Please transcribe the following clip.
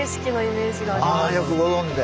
あよくご存じで。